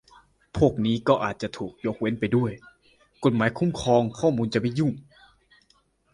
พวกนี้ก็อาจจะถูกยกเว้นไปด้วย กฎหมายคุ้มครองข้อมูลจะไม่ยุ่ง